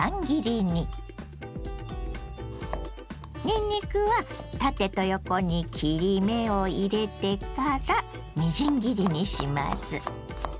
にんにくは縦と横に切り目を入れてからみじん切りにします。